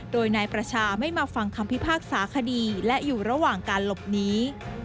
โดยนายประชาไม่มาฟังคำพิพากษาคดีและอยู่ระหว่างการหลบหนี